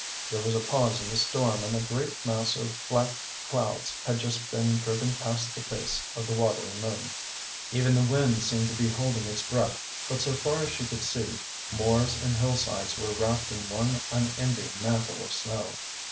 There was a pause in the storm and a great mass of black clouds had just been driven past the face of the watery moon. Even the wind seemed to be holding its breath, but so far as she could see, moors and hillsides were wrapped in one unending mantle of snow.